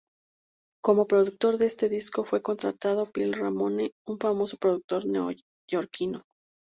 Como productor de este disco fue contratado Phil Ramone, un famoso productor neoyorquino.